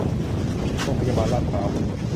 โรงพยาบาล ลาดพร้าว